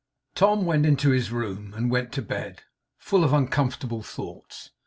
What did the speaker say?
Tom went into his room, and went to bed, full of uncomfortable thoughts.